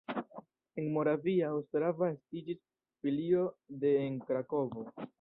En Moravia Ostrava estiĝis filio de en Krakovo.